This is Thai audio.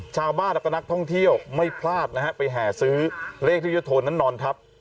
ชาวบ้านแล้วก็นักท่องเที่ยวไม่พลาดนะฮะไปแห่ซื้อเลขที่เจ้าโทนนั้นนอนทับ